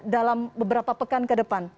dalam beberapa pekan ke depan